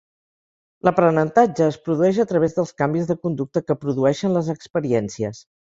L'aprenentatge es produeix a través dels canvis de conducta que produeixen les experiències.